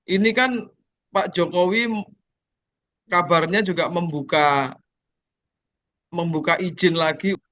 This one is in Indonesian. ini kan pak jokowi kabarnya juga membuka izin lagi